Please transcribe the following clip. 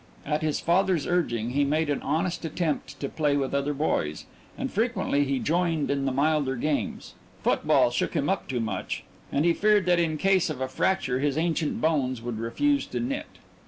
At his father's urging he made an honest attempt to play with other boys, and frequently he joined in the milder games football shook him up too much, and he feared that in case of a fracture his ancient bones would refuse to knit.